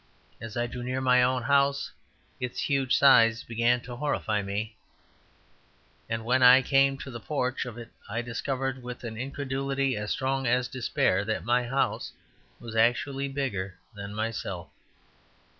As I drew near my own house, its huge size began to horrify me; and when I came to the porch of it I discovered with an incredulity as strong as despair that my house was actually bigger than myself.